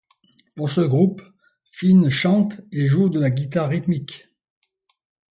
Pour ce groupe, Finn chante et joue de la guitare rythmique.